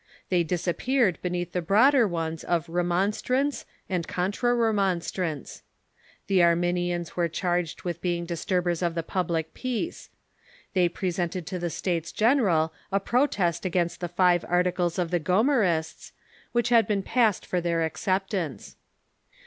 They disappeared beneath the broader ones of Remonstrants and Contra Remonstrants. The Arminians were Re onsWnts ^'^^^i"g^<^l^ with being disturbers of the public peace. They presented to the States General a protest against the Five Articles of the Gomarists, which had been passed for their acceptance.